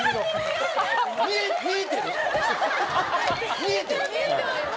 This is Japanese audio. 見えてる？